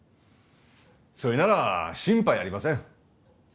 そいなら心配ありません。